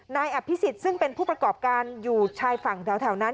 นายอภิษฎซึ่งเป็นผู้ประกอบการอยู่ชายฝั่งแถวนั้น